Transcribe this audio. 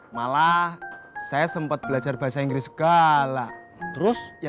malah saya sempat belajar bahasa inggris segala